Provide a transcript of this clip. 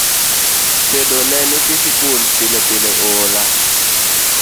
Tedo ne nyithi sikul pilepile oola